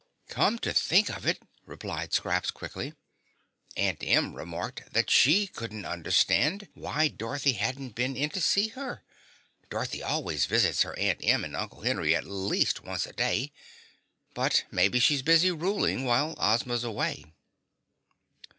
"Come to think of it," replied Scraps quickly, "Aunt Em remarked that she couldn't understand why Dorothy hadn't been in to see her. Dorothy always visits her Aunt Em and Uncle Henry at least once a day. But maybe she's busy ruling while Ozma's away."